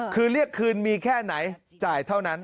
คือเรียกคืนมีแค่ไหนจ่ายเท่านั้น